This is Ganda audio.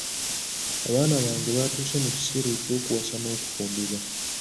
Abaana bange batuuse mu kaseera eky'okuwasa n'okufumbirwa.